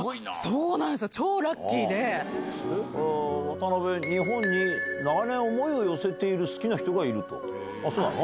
渡辺、日本に長年、思いを寄せている好きな人がいると。